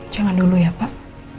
jangan dulu ya pak